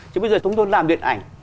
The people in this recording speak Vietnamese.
chứ bây giờ chúng tôi làm điện ảnh